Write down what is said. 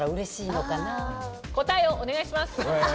答えをお願いします。